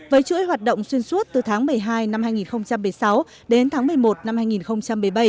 với chuỗi hoạt động xuyên suốt từ tháng một mươi hai năm hai nghìn một mươi sáu đến tháng một mươi một năm hai nghìn một mươi bảy